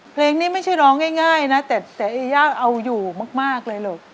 เพลงนี้ไม่ใช่ร้องง่ายนะแต่เสียเอย่าเอาอยู่มากเลยลูก